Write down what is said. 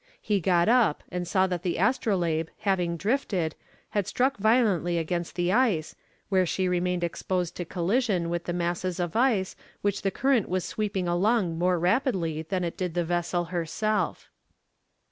He got up, and saw that the Astrolabe, having drifted, had struck violently against the ice, where she remained exposed to collision with the masses of ice which the current was sweeping along more rapidly than it did the vessel herself.